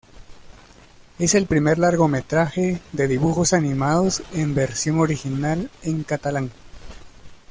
Es el primer largometraje de dibujos animados en versión original en catalán.